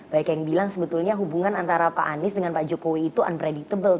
baik yang bilang sebetulnya hubungan antara pak anies dengan pak jokowi itu unpredictable